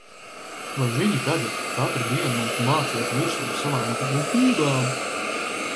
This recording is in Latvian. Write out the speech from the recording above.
Vai viņi tagad katru dienu mums māksies virsū ar savām glupībām?